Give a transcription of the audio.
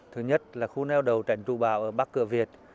thứ nhất là khu neo đậu tránh chú bão ở bắc cửa việt